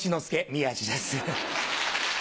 宮治です。